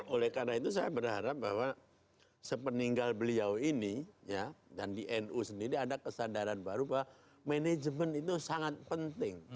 oleh karena itu saya berharap bahwa sepeninggal beliau ini dan di nu sendiri ada kesadaran baru bahwa manajemen itu sangat penting